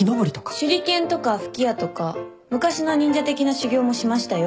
手裏剣とか吹き矢とか昔の忍者的な修行もしましたよ。